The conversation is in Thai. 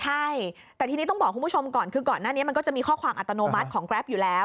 ใช่แต่ทีนี้ต้องบอกคุณผู้ชมก่อนคือก่อนหน้านี้มันก็จะมีข้อความอัตโนมัติของแกรปอยู่แล้ว